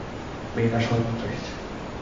মেয়েটা সবেমাত্র এসেছে!